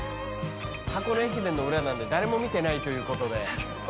『箱根駅伝』の裏なんで誰も見てないということで。